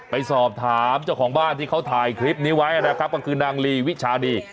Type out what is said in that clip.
ไปสอบถามเจ้าของบ้านที่เขาถ่ายคลิปนี้ไว้นะครับก็คือนางลีวิชาดี